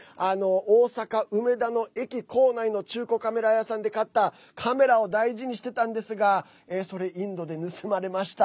大阪・梅田の駅構内の中古カメラ屋さんで買ったカメラを大事にしていたんですがそれ、インドで盗まれました。